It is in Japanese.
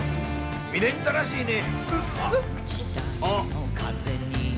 未練たらしいね！